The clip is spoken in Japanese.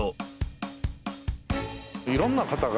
いろんな方が